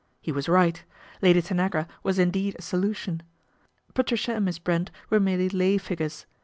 He was right. Lady Tanagra was indeed a solution. Patricia and Miss Brent were merely lay figures.